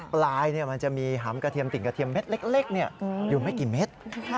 มันจะมีหามกระเทียมติ่งกระเทียมเม็ดเล็กอยู่ไม่กี่เม็ด